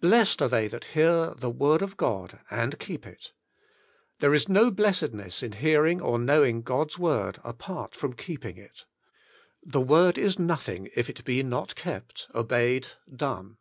"Blessed are they that hear the word of God and Keep It'' There is no blessedness in hearing or knowing God's word apart from Ejeeping It. The word is nothing if it be not kept, obeyed, done.